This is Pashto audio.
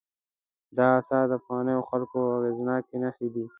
دا آثار د پخوانیو خلکو اغېزناکې نښې دي.